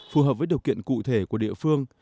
phù hợp với điều kiện cụ thể của địa phương